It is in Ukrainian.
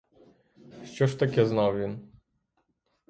Що ж таке знав він?